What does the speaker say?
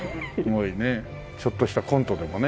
ちょっとしたコントでもね。